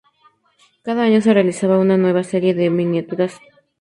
Cada año se realizaba una nueva serie de miniaturas.